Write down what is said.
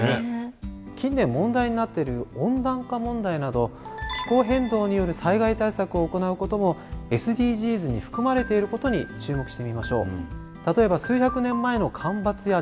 近年問題になってる温暖化問題など気候変動による災害対策を行うこともＳＤＧｓに含まれていることに注目してみましょう。